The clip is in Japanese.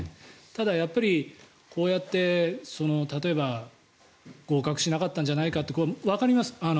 ただ、こうやって例えば合格しなかったんじゃないかってわかります。